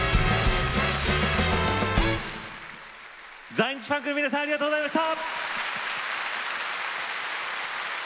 在日ファンクの皆さんありがとうございました。